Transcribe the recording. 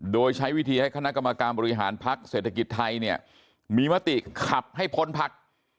โดยใช้วิธีให้คณะกรรมการบริหารพักเศรษฐกิจไทยเนี่ยมีมติขับให้พ้นพัก